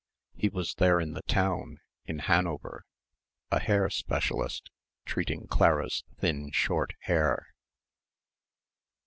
He was there in the town, in Hanover, a hair specialist, treating Clara's thin short hair.